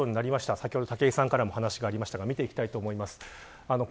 先ほど、武井さんからも話がありましたが見ていきたいと思います。